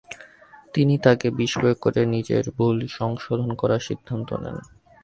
তিনি তাঁকে বিষপ্রয়োগ করে নিজের ভুল সংশোধন করার সিদ্ধান্ত নেন।